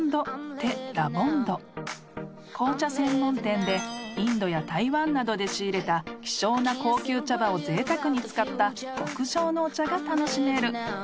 ［紅茶専門店でインドや台湾などで仕入れた希少な高級茶葉をぜいたくに使った極上のお茶が楽しめる］